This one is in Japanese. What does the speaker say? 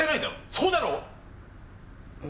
そうだろう！